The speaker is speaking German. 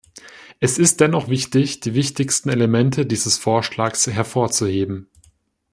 Es ist dennoch wichtig, die wichtigsten Elemente dieses Vorschlags hervorzuheben.